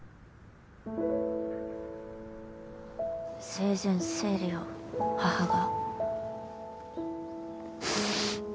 生前整理を母が？